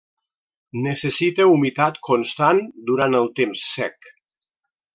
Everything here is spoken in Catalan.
Necessita humitat constant durant el temps sec.